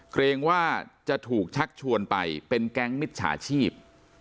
เกรงว่าจะถูกชักชวนไปเป็นแก๊งมิจฉาชีพ